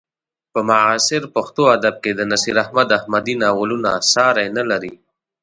په معاصر پښتو ادب کې د نصیر احمد احمدي ناولونه ساری نه لري.